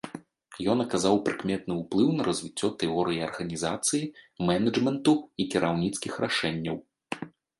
Ён аказаў прыкметны ўплыў на развіццё тэорыі арганізацыі, менеджменту і кіраўніцкіх рашэнняў.